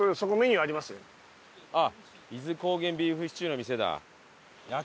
あっ伊豆高原ビーフシチューの店だ。